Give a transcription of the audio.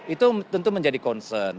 itu tentu menjadi concern